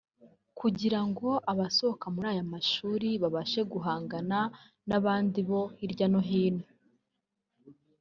kugira ngo abasohoka muri aya mashuri babashe guhangana n’abandi bo hirya no hino